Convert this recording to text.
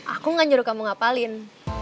aku gak nyuruh kamu ngapalin